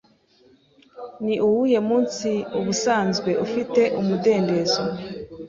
Ni uwuhe munsi ubusanzwe ufite umudendezo?